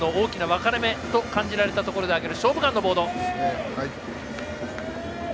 ゲームの大きな分かれ目と感じられたところで挙げられる「勝負眼」のボード。